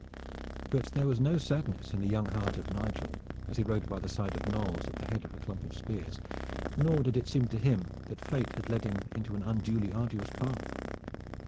But there was no sadness in the young heart of Nigel, as he rode by the side of Knolles at the head of a clump of spears, nor did it seem to him that Fate had led him into an unduly arduous path.